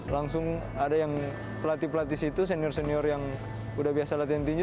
langsung ada yang pelatih pelatih situ senior senior yang udah biasa latihan tinju